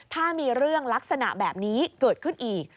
ถ้ามีเรื่องลักษณะแบบนี้เกิดขึ้นอีก